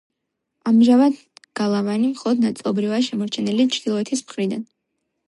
ამჟამად გალავანი მხოლოდ ნაწილობრივაა შემორჩენილი ჩრდილოეთის მხრიდან.